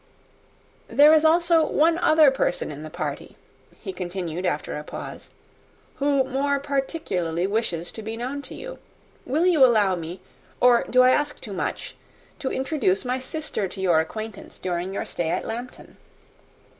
"There is also one other person in the party," he continued after a pause, "who more particularly wishes to be known to you. Will you allow me, or do I ask too much, to introduce my sister to your acquaintance during your stay at Lambton?"